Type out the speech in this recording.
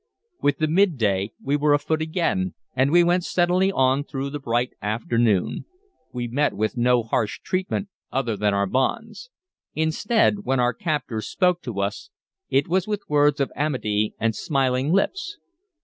With the midday we were afoot again, and we went steadily on through the bright afternoon. We met with no harsh treatment other than our bonds. Instead, when our captors spoke to us, it was with words of amity and smiling lips.